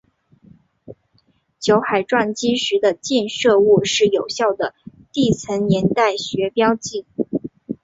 酒海撞击时的溅射物是有效的地层年代学标记。